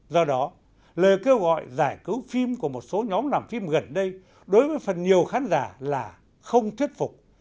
do đó lời kêu gọi giải cứu phim của một số nhóm làm phim gần đây đối với phần nhiều khán giả là không thuyết phục